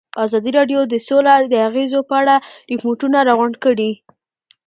ازادي راډیو د سوله د اغېزو په اړه ریپوټونه راغونډ کړي.